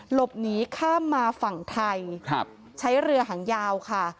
หลบหนีข้ามมาฝั่งไทยใช้เรือหางยาวค่ะ